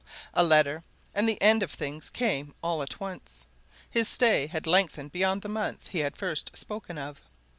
A letter and the end of things came all at once. His stay had lengthened beyond the month he had first spoken of.